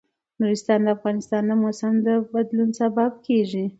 نورستان د افغانستان د موسم د بدلون سبب کېږي.